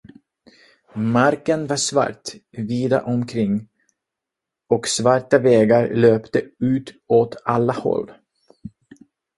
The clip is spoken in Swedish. Marken var svart vida omkring, och svarta vägar löpte ut åt alla håll.